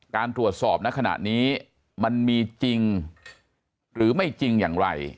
การตรวจสอบในขณะนี้มันมีจริงหรือไม่จริงอย่างไร